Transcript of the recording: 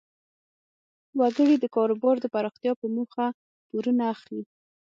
وګړي د کاروبار د پراختیا په موخه پورونه اخلي.